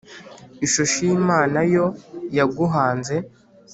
ishusho y'imana yo yaguhanze